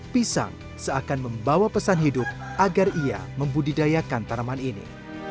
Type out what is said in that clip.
pisang seakan membawa pesan hidup agar ia membudidayakan tanaman ini